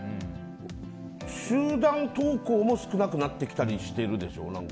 集団登校も少なくなってきたりしているでしょう。